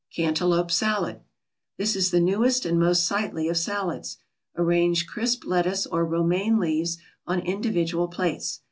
CANTALOUPE SALAD This is the newest and most sightly of salads. Arrange crisp lettuce or Romaine leaves on individual plates.